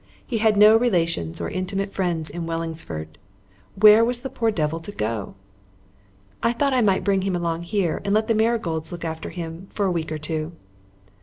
He had no relations or intimate friends in Wellingsford. Where was the poor devil to go? "I thought I might bring him along here and let the Marigolds look after him for a week or two."